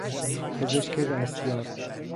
پزشک دستیار